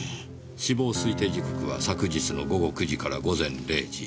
死亡推定時刻は昨日の午後９時から午前０時。